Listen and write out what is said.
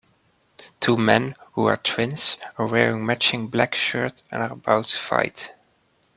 Two men, who are twins, are wearing matching black shirt and are about to fight.